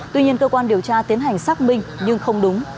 tuy nhiên cơ quan điều tra tiến hành xác minh nhưng không đúng